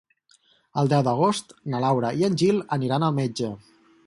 El deu d'agost na Laura i en Gil aniran al metge.